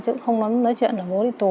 chứ không nói chuyện là bố đi tù